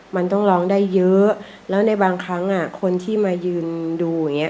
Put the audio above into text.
มันต้องร้องได้เยอะแล้วในบางครั้งอ่ะคนที่มายืนดูอย่างเงี้